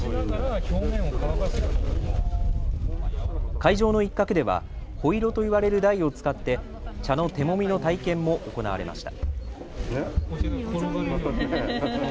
会場の一角ではほいろといわれる台を使って茶の手もみの体験も行われました。